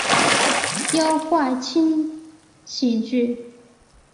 妖怪轻喜剧！